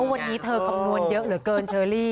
วันนี้เธอคำนวณเยอะเหลือเกินเชอรี่